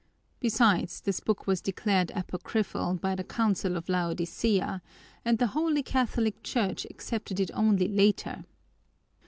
Besides, this book was declared apocryphal by the Council of Laodicea and the holy Catholic Church accepted it only later.